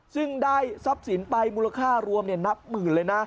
ซึ่งได้ทรัพย์สินไปมูลค่ารวมนับหมื่นเลยนะ